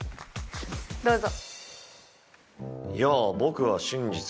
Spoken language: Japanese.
どうぞ。